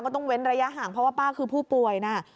ต้องเว้นระยะห่างเพราะว่าป้าคือผู้ป่วยนะ